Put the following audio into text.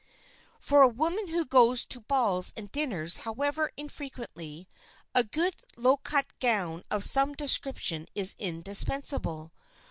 For a woman who goes to balls and dinners, however infrequently, a good low cut gown of some description is indispensable.